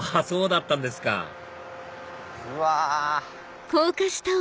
そうだったんですかうわ。